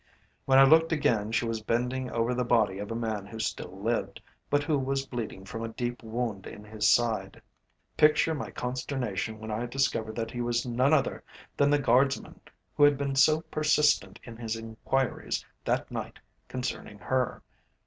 When I looked again she was bending over the body of a man who still lived, but who was bleeding from a deep wound in his side. Picture my consternation when I discovered that he was none other than the Guardsman who had been so persistent in his inquiries that night concerning her.